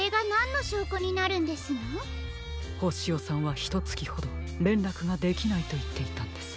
ホシヨさんはひとつきほどれんらくができないといっていたんです。